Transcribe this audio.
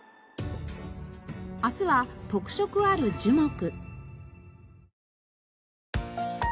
明日は特色ある樹木。